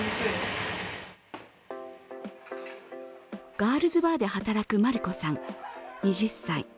ガールズバーで働くマルコさん２０歳。